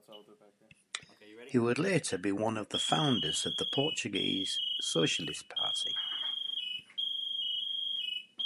He would later be one of the founders of the Portuguese Socialist Party.